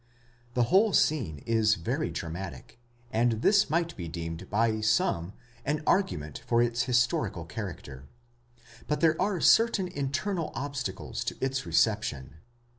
The whole scene is very dramatic, and this might be deemed by some an argument for its historical character; but there are certain internal obstacles to its reception.